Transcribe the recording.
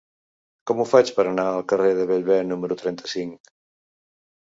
Com ho faig per anar al carrer de Bellver número trenta-cinc?